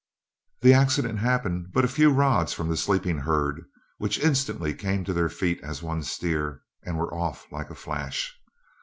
The accident happened but a few rods from the sleeping herd, which instantly came to their feet as one steer, and were off like a flash.